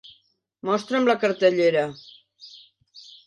Mostra'm la cartellera